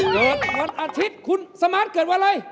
เกิดวันอาทิตย์คุณสมาร์ทเกิดอะไร